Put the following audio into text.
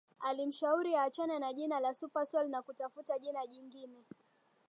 Alimshauri aachane na jina la Supersoul na kutafuta jina jingine